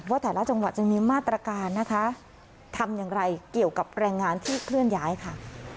ว่าแต่ละจังหวัดจะมีมาตรการนะคะทำอย่างไรเกี่ยวกับแรงงานที่เคลื่อนย้ายค่ะ